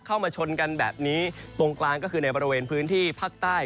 เข้ามาชนกันแบบนี้ตรงกลางก็คือในบริเวณพื้นที่ภาคใต้